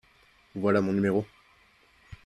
Voilà mon numéro.